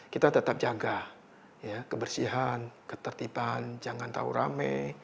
kita tetap jaga kebersihan ketertiban jangan tahu rame